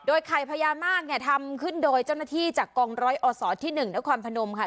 โดยไข่พญานาคเนี่ยทำขึ้นโดยเจ้าหน้าที่จากกองร้อยอสสอเนื้อสนที่หนึ่งแล้วความพโดมค่ะ